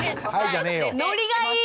ノリがいい！